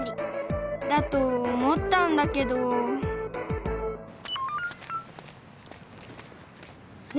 だと思ったんだけどね